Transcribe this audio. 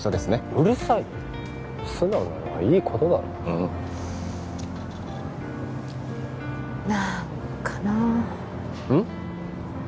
うるさいよ素直なのはいいことだろうん何かなうん？